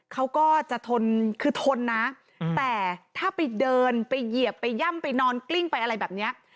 เขาก็จะทนคือทนนะแต่ถ้าไปเดินไปเหยียบไปย่ำไปนอนกลิ้งไปอะไรแบบเนี้ย